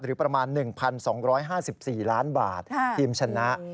หรือประมาณ๑๒๕๔ล้านบาททีมชนะ